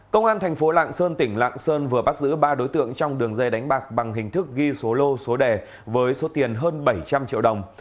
công an thành phố lạng sơn tỉnh lạng sơn vừa bắt giữ ba đối tượng trong đường dây đánh bạc bằng hình thức ghi số lô số đề với số tiền hơn bảy trăm linh triệu đồng